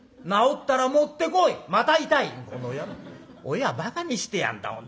親ばかにしてやんだ本当。